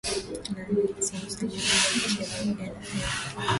naam ni msemaji wa jeshi la uganda feli